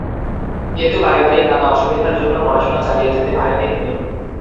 কিন্তু পারিবারিক নানা অসুবিধার জন্য পড়াশোনা চালিয়ে যেতে পারেন নি তিনি।